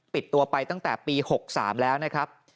ปิดตัวไปตั้งแต่ปี๖๓แล้วนะครับ